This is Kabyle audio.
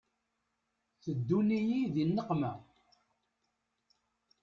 Teddun-iyi di nneqma.